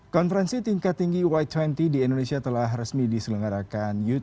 konferensi tingkat tinggi y dua puluh di indonesia telah resmi diselenggarakan